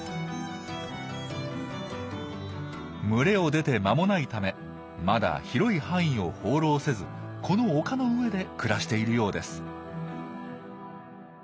群れを出て間もないためまだ広い範囲を放浪せずこの丘の上で暮らしているようです。